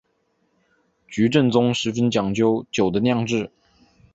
菊正宗十分讲究酒的酿制。